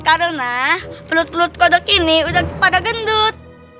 karena pelut pelut kodok ini udah pada gendut